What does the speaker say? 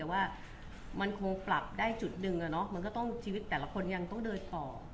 แต่ว่ามันคงปรับได้จุดหนึ่งมันก็ต้องชีวิตแต่ละคนยังต้องเดินต่อ